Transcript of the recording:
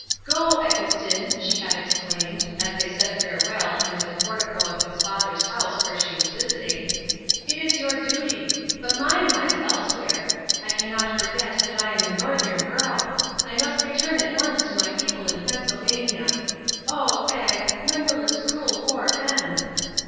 "Go, Eggleston!" she had exclaimed, as they said farewell under the portico of his father's house where she was visiting, "it is your duty. But mine lies elsewhere. I cannot forget that I am a Northern girl. I must return at once to my people in Pennsylvania. Oh, Egg, when will this cruel war end?"